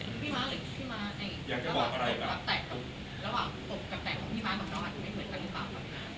พี่มายหรือพี่มายในระหว่างกับแตกของพี่มายแบบน้องอาจจะไม่เหมือนกันหรือเปล่า